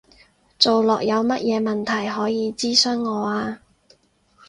做落有乜嘢問題，可以諮詢我啊